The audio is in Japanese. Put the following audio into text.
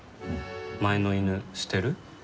前の犬、捨てる？